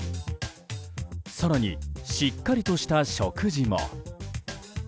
更に、しっかりとした食事も。